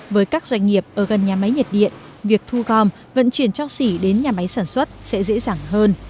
với các doanh nghiệp ở gần nhà máy nhiệt điện việc thu gom vận chuyển cho xỉ đến nhà máy sản xuất sẽ dễ dàng hơn